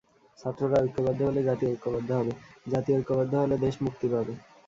ছাত্ররা ঐক্যবদ্ধ হলে জাতি ঐক্যবদ্ধ হবে, জাতি ঐক্যবদ্ধ হলে দেশ মুক্তি পাবে।